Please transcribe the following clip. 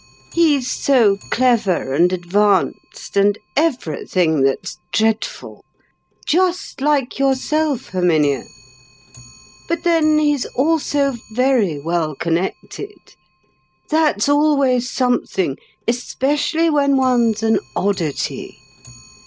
He's so clever and advanced, and everything that's dreadful—just like yourself, Herminia. But then he's also very well connected. That's always something, especially when one's an oddity.